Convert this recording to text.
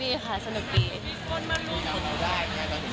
มีคนมารู้จุดได้ไหมครับ